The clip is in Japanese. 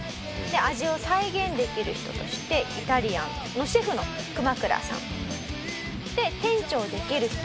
味を再現できる人としてイタリアンのシェフのクマクラさん。で店長できる人。